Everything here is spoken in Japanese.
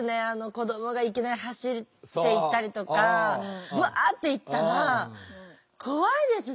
子どもがいきなり走っていったりとかバッて行ったら怖いですしね。